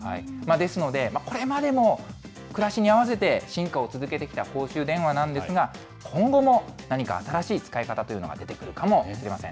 ですので、これまでも暮らしに合わせて進化を続けてきた公衆電話なんですが、今後も何か新しい使い方というのが出てくるかもしれません。